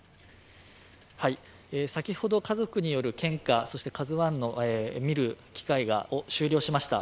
先ほど家族による献花、「ＫＡＺＵⅠ」を見る機会が終了しました。